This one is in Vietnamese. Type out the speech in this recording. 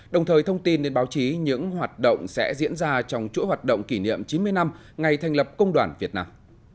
đồng thời thông tin đến báo chí những hoạt động sẽ diễn ra trong chuỗi hoạt động kỷ niệm chín mươi năm ngày thành lập công đoàn việt nam